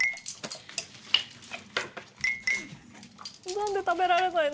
なんで食べられないの？